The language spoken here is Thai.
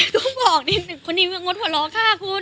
คนนี้คุณมึงมดหัวเราะคุณ